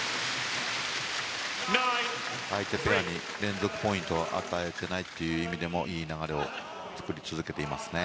相手ペアに連続ポイントを与えていないという意味でもいい流れを作り続けていますね。